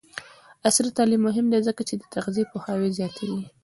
عصري تعلیم مهم دی ځکه چې د تغذیه پوهاوی زیاتوي.